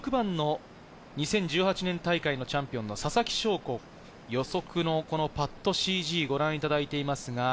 １６番の２０１８年大会のチャンピオンのささきしょうこ、予測のパットＣＧをご覧いただいています。